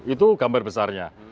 itu gambar besarnya